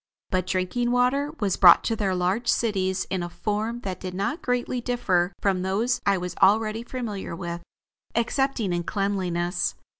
But drinking water was brought to their large cities in a form that did not greatly differ from those I was already familiar with, excepting in cleanliness.